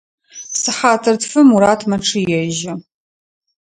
Сыхьатыр тфым Мурат мэчъыежьы.